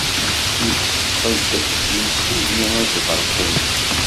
Yessefqed yimsujji assebreq-nnes.